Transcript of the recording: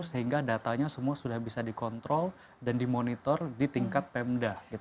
sehingga datanya semua sudah bisa dikontrol dan dimonitor di tingkat pemda